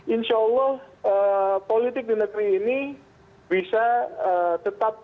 insya allah politik di negeri ini bisa tetap